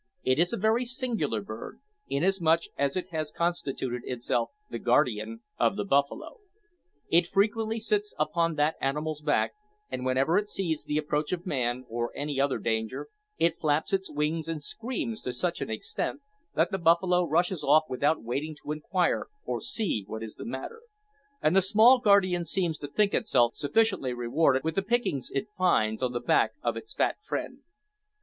It is a very singular bird, inasmuch as it has constituted itself the guardian of the buffalo. It frequently sits upon that animal's back, and, whenever it sees the approach of man, or any other danger, it flaps its wings and screams to such an extent, that the buffalo rushes off without waiting to inquire or see what is the matter; and the small guardian seems to think itself sufficiently rewarded with the pickings it finds on the back of its fat friend.